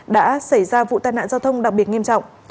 đã xảy ra vụ tai nạn giao thông đặc biệt nghiêm trọng